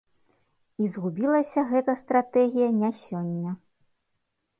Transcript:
І згубілася гэта стратэгія не сёння.